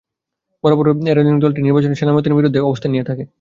বরাবর এ রাজনৈতিক দলটি নির্বাচনে সেনা মোতায়েনের বিরুদ্ধেই অবস্থান নিয়ে থাকে।